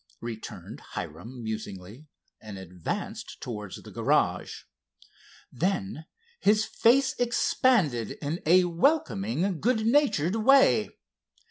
returned Hiram musingly, and advanced towards the garage. Then his face expanded in a welcoming good natured way.